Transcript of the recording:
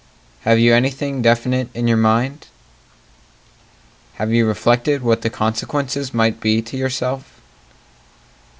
Have you anything definite in your mind? Have you reflected what the consequences might be to yourself?